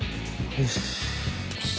よし。